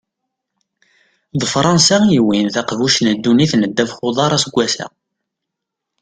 D Fransa i yewwin taqbuct n ddunit n ddabex n uḍar aseggas-a.